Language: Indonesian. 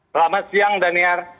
selamat siang daniar